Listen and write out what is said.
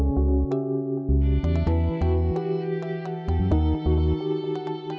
yang keempat bapak erick tohir